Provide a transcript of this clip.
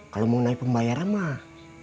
kalau mau naik pembayaran pak